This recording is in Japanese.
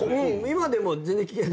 今でも全然聞ける。